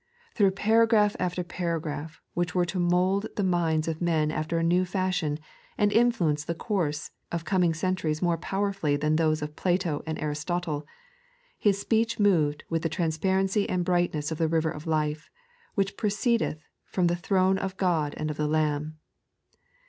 Through para graph after paragraph, which were to mould the minds of men after a new fashion, and influence the course of coming centuries more powerfully than those of Plato and Aristotle, His speech moved with the transparency and brightness of the River of Life, which proceedeth from the throne of God and of the Lamb.